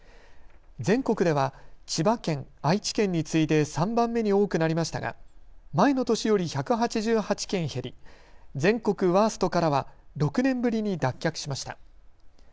全国では千葉県、愛知県に次いで３番目に多くなりましたが前の年より１８８件減り全国ワーストからは６年ぶりに脱却しました。